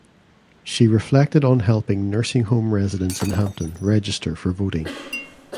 She reflected on helping nursing home residents in Hampton register for voting.